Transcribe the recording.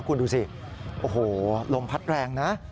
คุณดูสิโอ้โหลมพัดแรงนะ